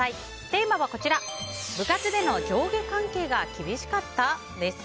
テーマは部活での上下関係が厳しかった？です。